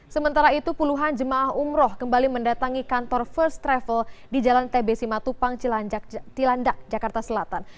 sementara itu puluhan jemaah umroh kembali mendatangi kantor first travel di jalan tb simatupang cilandak jakarta selatan